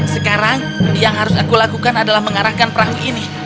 sekarang yang harus aku lakukan adalah mengarahkan perahu ini